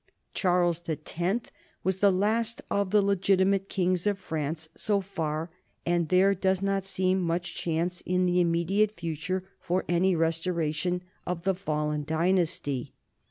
Charles the Tenth was the last of the legitimate kings of France so far, and there does not seem much chance in the immediate future for any restoration of the fallen dynasty.